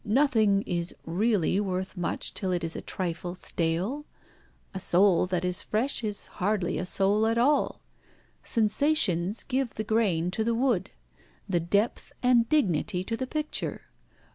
"Nothing is really worth much till it is a trifle stale. A soul that is fresh is hardly a soul at all. Sensations give the grain to the wood, the depth and dignity to the picture.